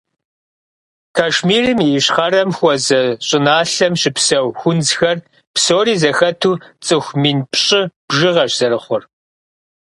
Кашмирым и ищхъэрэм хуэзэ щӏыналъэм щыпсэу хунзхэр псори зэхэту цӏыху мин пщӏы бжыгъэщ зэрыхъур.